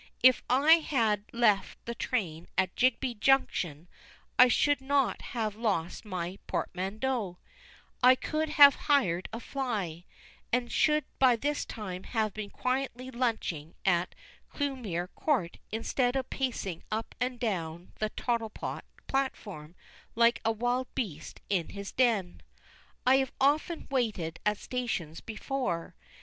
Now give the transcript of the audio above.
If I had left the train at Jigby Junction, I should not have lost my portmanteau, I could have hired a fly, and should by this time have been quietly lunching at Clewmere Court instead of pacing up and down the Tottlepot platform like a wild beast in his den. I have often waited at stations before.